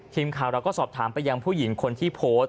ทีมข่าวเราก็สอบถามไปยังผู้หญิงคนที่โพสต์